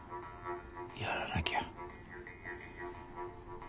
やらなきゃ。